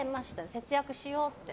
節約しようって。